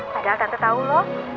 padahal tante tau loh